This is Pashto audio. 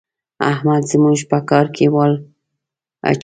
احمد زموږ په کار کې ول اچوي.